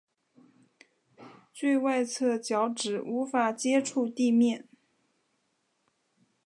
最外侧脚趾无法接触地面。